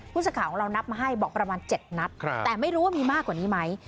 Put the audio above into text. ผู้สื่อข่าวของเรานับมาให้บอกประมาณ๗นัดแต่ไม่รู้ว่ามีมากกว่านี้ไหม